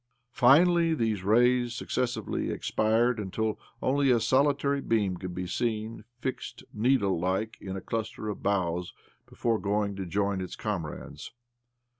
Finally these rays succes sively expired, until only a solitary Jaeam' could be seen fixed, needle like, in a cluster of boughs before going to join its comrades.